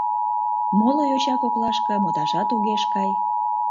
Моло йоча коклашке модашат огеш кай.